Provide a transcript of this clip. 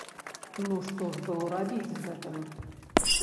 Ну што ж было рабіць з гэтым?